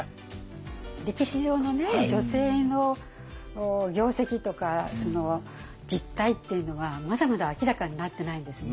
歴史上のね女性の業績とか実態っていうのはまだまだ明らかになってないんですね。